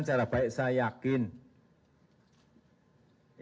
cara baik saya yakin yang namanya satu delapan itu sudah diaktifkan